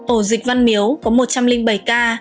ổ dịch văn miếu có một trăm linh bảy ca